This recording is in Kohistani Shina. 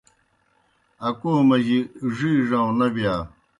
اکو مجی ڙِی ڙَؤں نہ بِیا۔